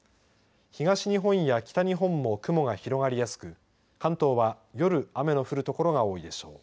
東日本や北日本も雲が広がりやすく関東は夜雨の降る所が多いでしょう。